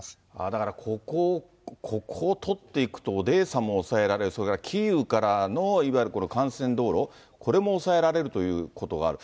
だからここを取っていくと、オデーサも押さえられるし、それからキーウからの、いわゆる幹線道路、これも押さえられるということがある。